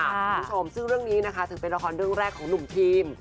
คุณผู้ชมซึ่งเรื่องนี้นะคะถือเป็นละครเรื่องแรกของหนุ่มทีม